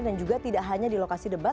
dan juga tidak hanya di lokasi debat